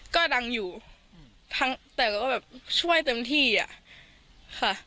ก็ดังอยู่แต่ก็แบบช่วยเต็มที่อ่ะค่ะ